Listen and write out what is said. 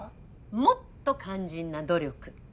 もっと肝心な努力。